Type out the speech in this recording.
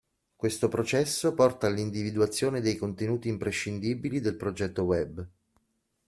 Questo processo porta all'individuazione dei contenuti imprescindibili del progetto web.